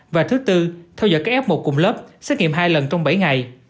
và thứ tư theo dõi các f một cùng lớp xét nghiệm hai lần trong bảy ngày